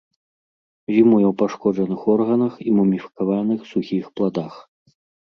Зімуе ў пашкоджаных органах і муміфікаваных сухіх пладах.